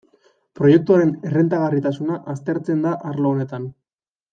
Proiektuaren errentagarritasuna aztertzen da arlo honetan.